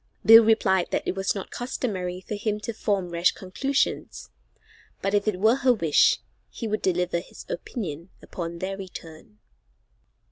Bill replied that it was not customary for him to form rash conclusions, but if it were her wish he would deliver his opinion upon their return.